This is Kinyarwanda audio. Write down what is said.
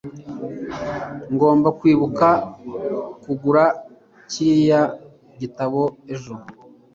ngomba kwibuka kugura kiriya gitabo ejo